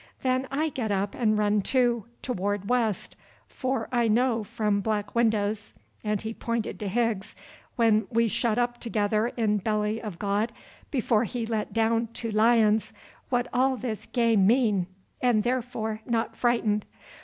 Then I get up and run too—toward west, for I know from Black Windows," and he pointed to Higgs, "when we shut up together in belly of god before he let down to lions, what all this game mean, and therefore not frightened.